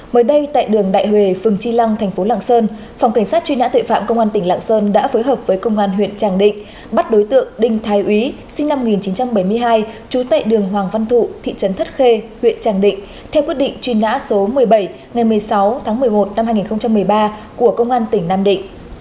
mới đây tại đường đại hời phường tri lăng thành phố lạng sơn phòng cảnh sát truy nã tuệ phạm công an tỉnh lạng sơn đã phối hợp với công an huyện tràng định bắt đối tượng đinh thái úy sinh năm một nghìn chín trăm bảy mươi hai trú tại đường hoàng văn thụ thị trấn thất khê huyện tràng định theo quyết định truy nã số một mươi bảy ngày một mươi sáu tháng một mươi một năm hai nghìn một mươi ba của công an tỉnh nam định